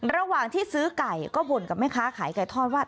ระหว่างที่ซื้อไก่ก็บ่นกับแม่ค้าขายไก่ทอดว่า